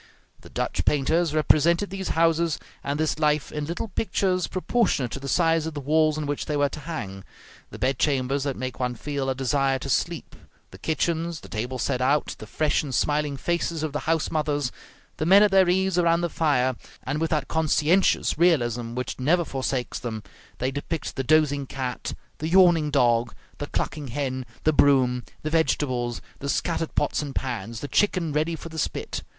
The Dutch painters represented these houses and this life in little pictures proportionate to the size of the walls on which they were to hang; the bedchambers that make one feel a desire to sleep, the kitchens, the tables set out, the fresh and smiling faces of the house mothers, the men at their ease around the fire; and with that conscientious realism which never forsakes them, they depict the dozing cat, the yawning dog, the clucking hen, the broom, the vegetables, the scattered pots and pans, the chicken ready for the spit.